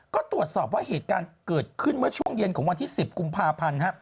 ก็ตรวจสอบว่าเหตุการณ์เกิดขึ้นเมื่อช่วงเย็นของวันที่๑๐กุมภาพันธ์